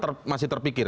itu sempat masih terpikir